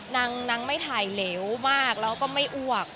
นางไม่ถ่ายเหลวมากแล้วก็ไม่อ้วก